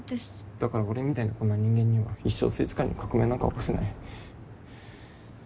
だから俺みたいなこんな人間には一生スイーツ界に革命なんか起こせない。